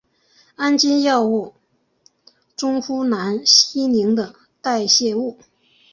氨基脲药物中呋喃西林的代谢物。